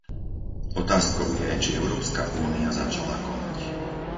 Otázkou je, či Európska únia začala konať.